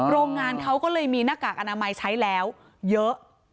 โรงงานเขาก็เลยมีหน้ากากอนามัยใช้แล้วเยอะ